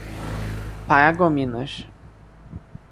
Paragominas